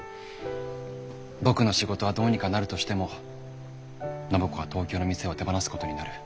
僕の仕事はどうにかなるとしても暢子は東京の店を手放すことになる。